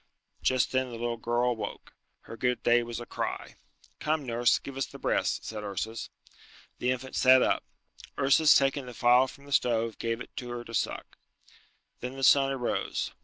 Just then the little girl awoke. Her good day was a cry. "Come, nurse, give her the breast," said Ursus. The infant sat up. Ursus taking the phial from the stove gave it to her to suck. Then the sun arose.